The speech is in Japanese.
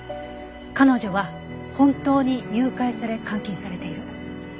彼女は本当に誘拐され監禁されている。